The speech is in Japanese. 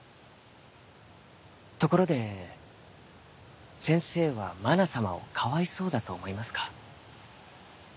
ところで先生はまな様をかわいそうだと思いますか？